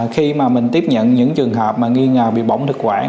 khi mà mình tiếp nhận những trường hợp mà nghi ngờ bị bỏng thực quản